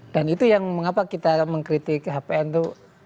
dan itu yang mengapa kita mengkritik hpn itu